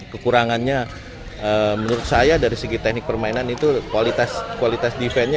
kekurangannya menurut saya dari segi teknik permainan itu kualitas defense nya